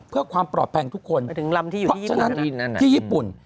เพื่อความปลอดภัยทุกคนไปถึงลำที่อยู่ที่ญี่ปุ่น